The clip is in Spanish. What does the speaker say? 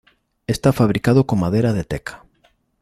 Está fabricado con madera de teca.